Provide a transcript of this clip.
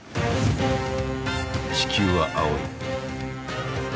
地球は青い。